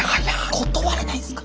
断れないんすか？